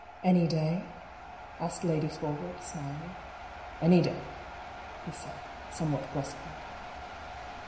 " Any day ?" asked Lady Forwood, smiling. " Any day," he said, somewhat brusquely.